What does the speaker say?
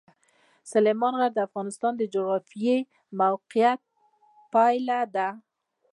سلیمان غر د افغانستان د جغرافیایي موقیعت پایله ده.